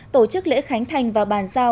tổ chức lễ khánh thành và bàn giao